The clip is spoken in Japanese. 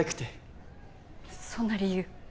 そんな理由？